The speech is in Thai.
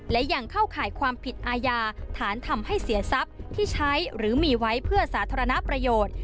และยังเข้าข่ายความผิดอาญาฐานทำให้เสียทรัพย์ที่ใช้หรือมีไว้เพื่อสาธารณประโยชน์